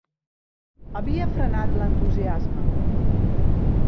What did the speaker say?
Havia frenat l'entusiasme.